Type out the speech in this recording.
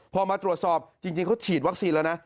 พอมาตรวจสอบจริงเขาฉีดวัคซีนแล้วนะ